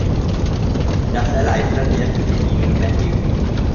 Das erleichtert deren Bedienung erheblich.